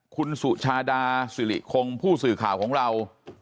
คุณสุชาดาสิริคงผู้สื่อข่าวของเรา